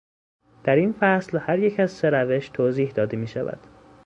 در این فصل هر یک از سه روش توضیح داده میشود.